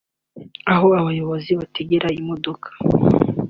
aho abayobozi bategera imodoka